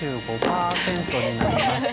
２５％になります。